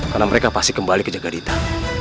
jangan sakiti dia